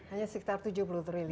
hanya sekitar tujuh puluh triliun